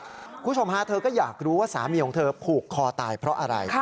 คุณผู้ชมฮะเธอก็อยากรู้ว่าสามีของเธอผูกคอตายเพราะอะไร